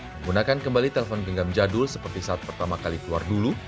menggunakan kembali telpon genggam jadul seperti saat pertama kali keluar dulu